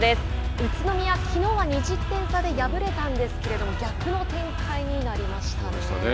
宇都宮、きのうは２０点差で敗れたんですけれどもそうでしたね。